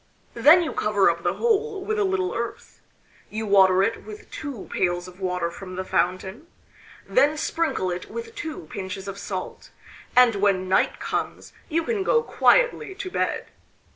Then you cover up the hole with a little earth; you water it with two pails of water from the fountain, then sprinkle it with two pinches of salt, and when night comes you can go quietly to bed.